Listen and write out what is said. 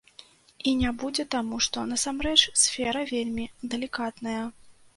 І не будзе, таму што, насамрэч, сфера вельмі далікатная.